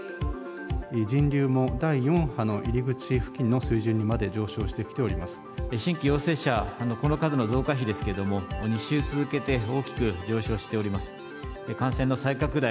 人流も第４波の入り口付近の新規陽性者、この数の増加比ですけれども、２週続けて大きく上昇しております。